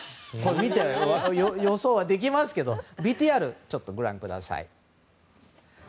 見たら予想ができますけどＶＴＲをご覧ください。